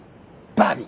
バディ！